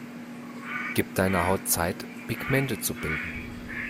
Gib deiner Haut Zeit, Pigmente zu bilden.